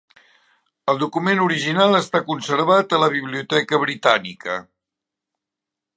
El document original està conservat a la Biblioteca Britànica.